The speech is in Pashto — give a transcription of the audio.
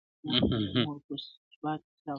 ما ویل چي یو سالار به پیدا کیږي!